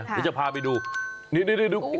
เดี๋ยวจะพาไปดูนี่ดู